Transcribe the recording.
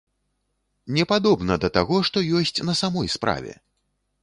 Не падобна да таго, што ёсць на самой справе!